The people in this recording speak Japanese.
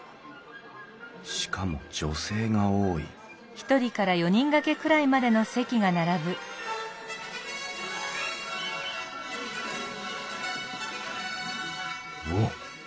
しかも女性が多いおっ！